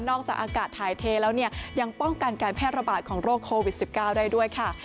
จากอากาศถ่ายเทแล้วเนี่ยยังป้องกันการแพร่ระบาดของโรคโควิด๑๙ได้ด้วยค่ะ